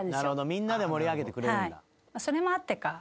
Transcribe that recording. みんなで盛り上げてくれるんだ。